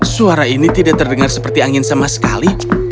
suara ini tidak terdengar seperti angin sama sekali